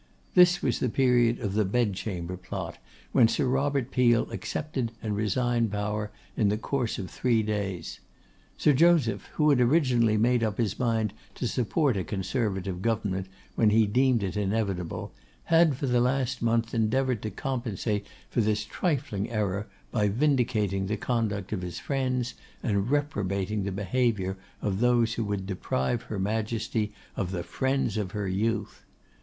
This was the period of the Bed Chamber Plot, when Sir Robert Peel accepted and resigned power in the course of three days. Sir Joseph, who had originally made up his mind to support a Conservative government when he deemed it inevitable, had for the last month endeavoured to compensate for this trifling error by vindicating the conduct of his friends, and reprobating the behaviour of those who would deprive her Majesty of the 'friends of her youth.